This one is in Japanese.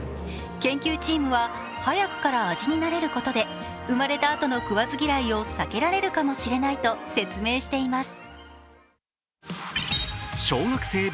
研究チームは、早くから味に慣れることで生まれたあとの食わず嫌いを避けられるかもしれないと説明しています。